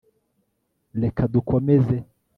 Reka dukomeze